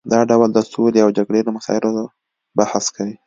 دا ډول د سولې او جګړې له مسایلو بحث کوي